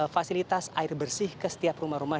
fasilitas air bersih ke setiap rumah rumah